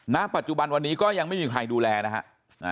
ณปัจจุบันวันนี้ก็ยังไม่มีใครดูแลนะฮะ